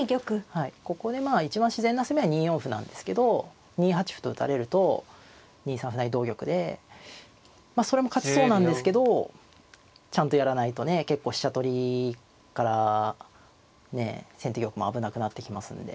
はいここでまあ一番自然な攻めは２四歩なんですけど２八歩と打たれると２三歩成同玉でまあそれも勝ちそうなんですけどちゃんとやらないとね結構飛車取りから先手玉も危なくなってきますんで。